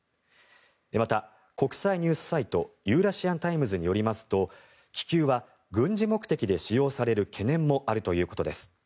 また、国際ニュースサイトユーラシアン・タイムズによりますと気球は軍事目的で使用される懸念もあるということです。